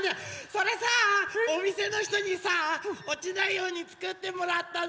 それさおみせのひとにさあおちないようにつくってもらったの！